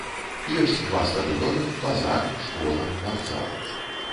Ёсць два стадыёны, базар, школа, вакзал.